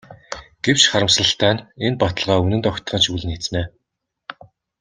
Гэвч харамсалтай нь энэ баталгаа үнэнд огтхон ч үл нийцнэ.